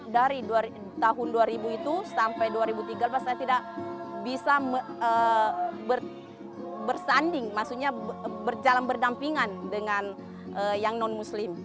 dari tahun dua ribu sampai tahun dua ribu tiga saya tidak bisa bersanding berjalan berdampingan dengan yang non muslim